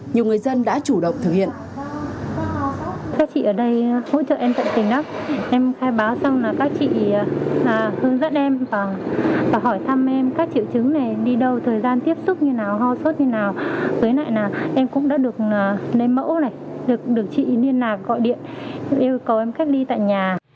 nhiều người dân đã chủ động thực hiện